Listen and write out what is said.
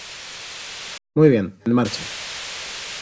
Muy bien, en marcha.